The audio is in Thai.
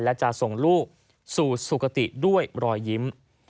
และจะส่งลูกสู่สุขติด้วยรอยยิ้ม